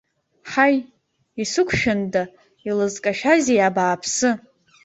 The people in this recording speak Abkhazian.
Ҳаи, исықәшәанда, илызкашәазеи абааԥсы?!